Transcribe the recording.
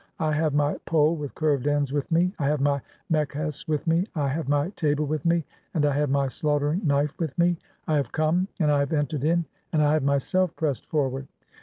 I have my pole "with curved ends with me, I have my mekhes with me, (29) I "have my table with me, and I have my slaughtering knife with "me. I have come, and I have entered in, and I have myself "pressed forward